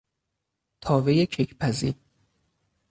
تاوهی کیک پزی